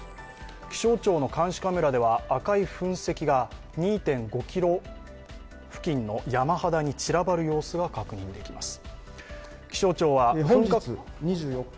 気象庁の監視カメラでは赤い噴石が２．５ｋｍ付近の山肌に散らばる様子が確認できます。